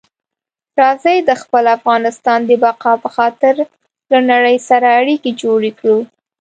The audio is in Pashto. راځئ د خپل افغانستان د بقا په خاطر له نړۍ سره اړیکي جوړې کړو.